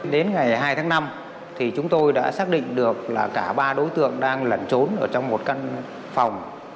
đến ngày hai tháng năm thì chúng tôi đã xác định được là cả ba đối tượng đang lẩn trốn ở trong một căn phòng